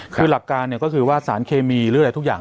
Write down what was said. คือหลักการก็คือว่าสารเคมีหรืออะไรทุกอย่าง